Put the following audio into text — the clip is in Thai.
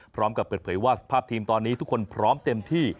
พร้อมกับเปิดเผยว่าสภาพทีมตอนนี้ทุกคนพร้อมเต็มที่